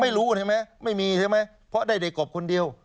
ไม่รู้ใช่ไหมไม่มีใช่ไหมเพราะได้เด็กกบคนเดียว